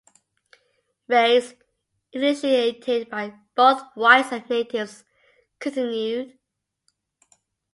Raids, initiated by both whites and natives, continued.